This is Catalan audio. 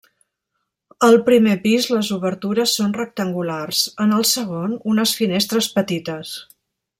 Al primer pis les obertures són rectangulars; en el segon, unes finestres petites.